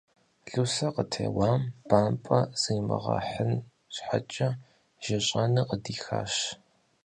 Лусэ, къытеуа бампӀэм зримыгъэхьын щхьэкӀэ, жьыщӀэныр къыдихащ.